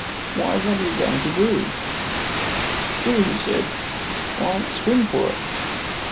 "Why, what are you going to do?" "Do!" he said. "Why, swim for it.